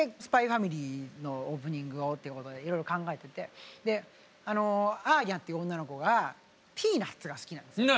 「ＳＰＹ×ＦＡＭＩＬＹ」のオープニングをっていうことでいろいろ考えててアーニャっていう女の子がピーナッツが好きなんです。